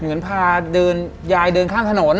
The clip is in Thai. เหมือนพาเดินยายเดินข้างถนน